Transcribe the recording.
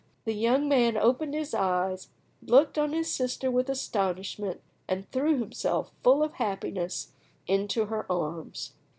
The young man opened his eyes, looked on his sister with astonishment, and threw himself, full of happiness, into her arms.